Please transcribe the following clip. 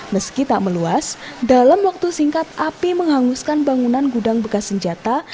meski tak meluas dalam waktu singkat api menghanguskan bangunan gudang bekas senjata